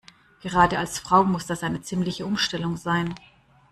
Gerade als Frau muss das eine ziemliche Umstellung sein.